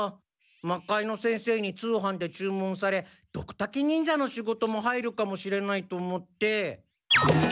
魔界之先生に通販で注文されドクタケ忍者の仕事も入るかもしれないと思って。